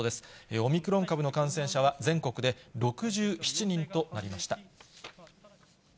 オミクロン株の感染者は、全国で６７人となりました。